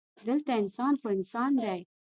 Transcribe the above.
دلته انسان خو انسان دی.